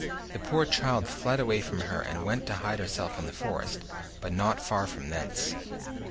The poor child fled away from her, and went to hide herself in the forest, not far from thence.